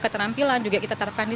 menyuara dari kitab manipulasi